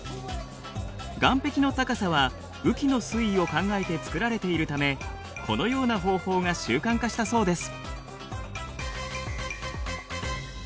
岸壁の高さは雨季の水位を考えて作られているためこのような方法が習慣化したそうです。